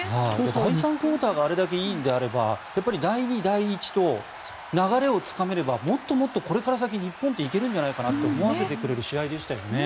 第３クオーターがあれだけよかったら第２、第１と流れをつかめればもっともっとこれから先日本って行けるんじゃないかなと思わせてくれる試合でしたよね。